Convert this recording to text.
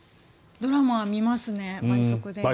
ドラマは見ますね倍速で。